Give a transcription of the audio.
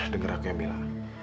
dengar aku ya mila